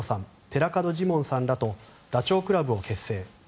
寺門ジモンさんらとダチョウ倶楽部を結成。